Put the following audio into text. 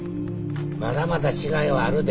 まだまだ違いはあるで。